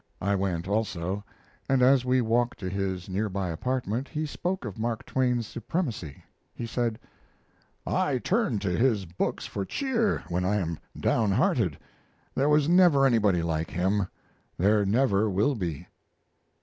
I went also, and as we walked to his near by apartment he spoke of Mark Twain's supremacy. He said: "I turn to his books for cheer when I am down hearted. There was never anybody like him; there never will be."